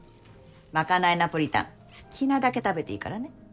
賄いナポリタン好きなだけ食べていいからね。